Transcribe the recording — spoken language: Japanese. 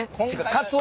カツオ？